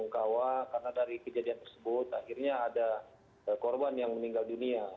karena dari kejadian tersebut akhirnya ada korban yang meninggal dunia